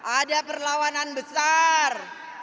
ada perlawanan besar